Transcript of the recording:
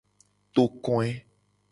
Tokoe.